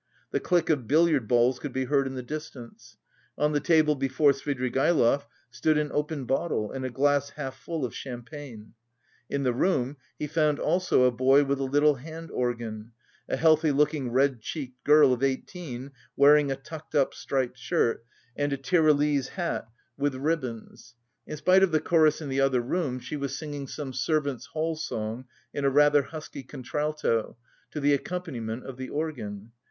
The click of billiard balls could be heard in the distance. On the table before Svidrigaïlov stood an open bottle and a glass half full of champagne. In the room he found also a boy with a little hand organ, a healthy looking red cheeked girl of eighteen, wearing a tucked up striped skirt, and a Tyrolese hat with ribbons. In spite of the chorus in the other room, she was singing some servants' hall song in a rather husky contralto, to the accompaniment of the organ.